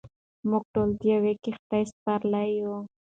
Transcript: موږ ټول د یوې کښتۍ سپرلۍ یو.